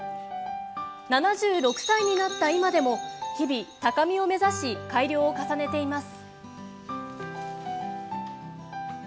７６歳になった今でも日々高みを目指し改良を重ねています。